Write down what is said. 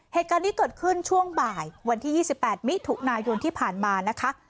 เหตุการณ์นี้เกิดขึ้นช่วงบ่ายวันที่๒๘มิถุนายนที่ผ่านมานะคะ